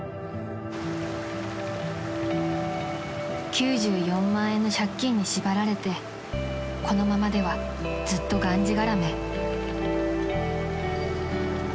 ［９４万円の借金に縛られてこのままではずっとがんじがらめ］